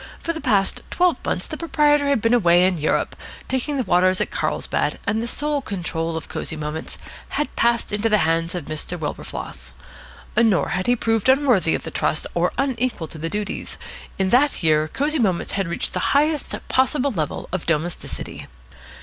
For the past twelve months the proprietor had been away in Europe, taking the waters at Carlsbad, and the sole control of Cosy Moments had passed into the hands of Mr. Wilberfloss. Nor had he proved unworthy of the trust or unequal to the duties. In that year Cosy Moments had reached the highest possible level of domesticity.